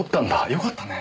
よかったね。